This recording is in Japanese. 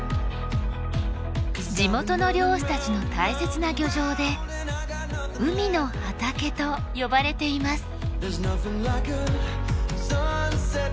地元の漁師たちの大切な漁場で海の畑と呼ばれています。